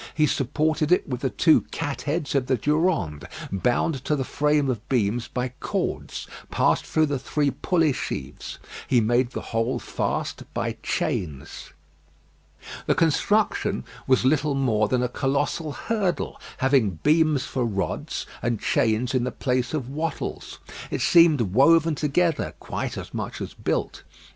He supported it with the two cat heads of the Durande, bound to the frame of beams by cords passed through the three pulley sheaves. He made the whole fast by chains. The construction was little more than a colossal hurdle, having beams for rods and chains in the place of wattles. It seemed woven together, quite as much as built.